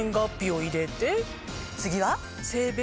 次は！